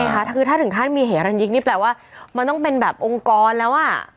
ใช่ค่ะคือถ้าถึงขั้นมีเหรันยิกนี่แปลว่ามันต้องเป็นแบบองค์กรแล้วอ่ะ